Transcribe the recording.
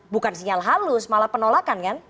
bukan sinyal halus malah penolakan kan